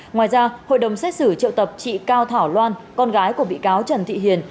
ngoài ra hội đồng xét xử triệu tập chị cao thảo loan con gái của bị cáo trần thị hiền